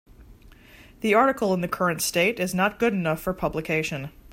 The article in the current state is not good enough for publication.